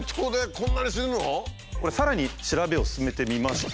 これさらに調べを進めてみました。